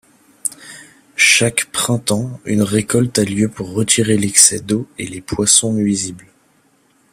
Chaque printemps une récolte a lieu pour retirer l'excès d'eau et les poissons nuisibles.